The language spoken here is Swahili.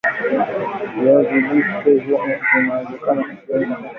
viazi lishe hivyo vinaweza kutumika kutengeneza vyakula vingine kadha wa kadha